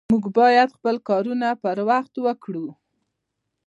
مونږ بايد خپل کارونه پر وخت وکړو